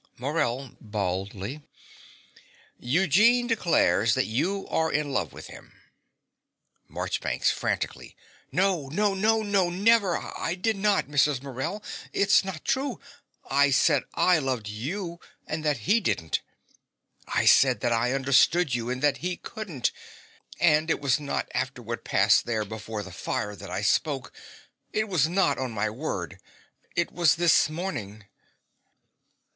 MORELL (baldly). Eugene declares that you are in love with him. MARCHBANKS (frantically). No, no, no, no, never. I did not, Mrs. Morell: it's not true. I said I loved you, and that he didn't. I said that I understood you, and that he couldn't. And it was not after what passed there before the fire that I spoke: it was not, on my word. It was this morning.